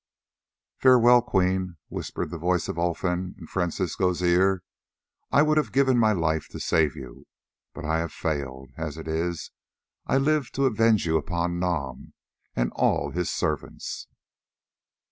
"Farewell, Queen," whispered the voice of Olfan into Francisco's ear; "I would have given my life to save you, but I have failed; as it is, I live to avenge you upon Nam and all his servants."